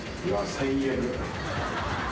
最悪。